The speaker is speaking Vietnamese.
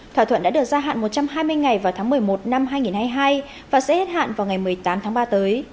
thỏa thuận đã được gia hạn một trăm hai mươi ngày vào tháng một mươi một năm hai nghìn hai mươi hai và sẽ hết hạn vào ngày một mươi tám tháng ba tới